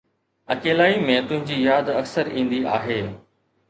اڪيلائي ۾، تنهنجي ياد اڪثر ايندي آهي